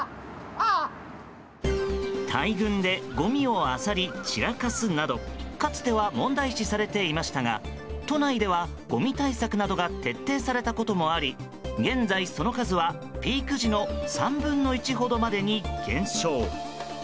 大群でごみを漁り、散らかすなどかつては問題視されていましたが都内では、ごみ対策などが徹底されたこともあり現在その数はピーク時の３分の１ほどにまで減少。